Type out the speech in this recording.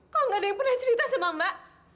kok gak ada yang pernah cerita sama mbak